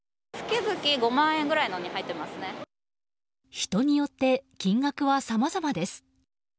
人によって金額は、さまざまです。